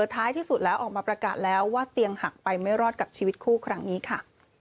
ท้ายที่สุดแล้วออกมาประกาศแล้วว่าเตียงหักไปไม่รอดกับชีวิตคู่ครั้งนี้ค่ะ